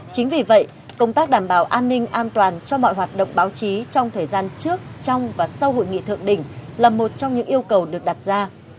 chính vì vậy công tác đảm bảo an ninh an toàn cho mọi hoạt động báo chí trong thời gian trước trong và sau hội nghị thượng đỉnh là một trong những yêu cầu được đặt ra